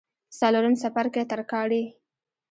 څلورم څپرکی: ترکاڼي